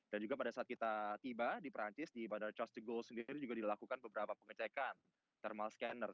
dan juga pada saat kita tiba di perancis di bandar chastegul sendiri juga dilakukan beberapa pengecekan thermal scanner